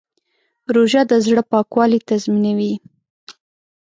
روژه د زړه پاکوالی تضمینوي.